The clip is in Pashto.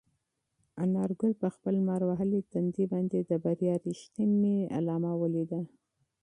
انارګل په خپل لمر وهلي تندي باندې د بریا رښتینې نښه ولیده.